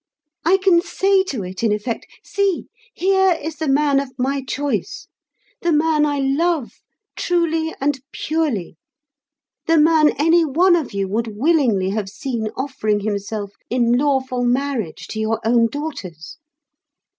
I can say to it in effect, 'See, here is the man of my choice, the man I love, truly, and purely, the man any one of you would willingly have seen offering himself in lawful marriage to your own daughters.